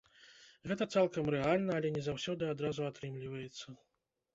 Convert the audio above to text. Гэта цалкам рэальна, але не заўсёды адразу атрымліваецца.